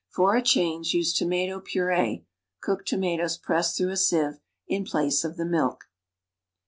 For a change use tomato puree (cooked tomatoes pressed through a sieve) in place of the milk.